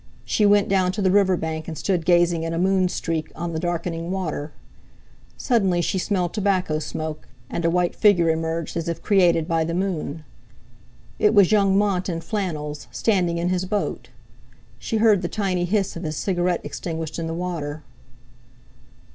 She went down to the river bank, and stood gazing at a moonstreak on the darkening water. Suddenly she smelled tobacco smoke, and a white figure emerged as if created by the moon. It was young Mont in flannels, standing in his boat. She heard the tiny hiss of his cigarette extinguished in the water.